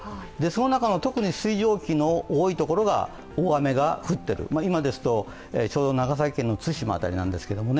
その中の特に水蒸気の多いところが大雨が降っている、今ですと、長崎県の対馬辺りですけど。